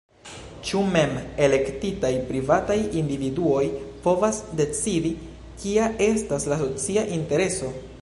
Ĉu mem-elektitaj privataj individuoj povas decidi, kia estas la socia intereso?